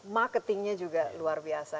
marketingnya juga luar biasa